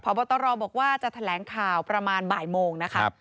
พบตรบอกว่าจะแถลงข่าวประมาณบ่ายโมงนะคะ